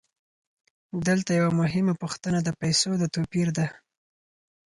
دلته یوه مهمه پوښتنه د پیسو د توپیر ده